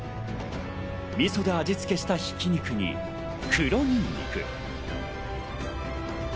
みそで味つけした挽き肉に黒ニンニク。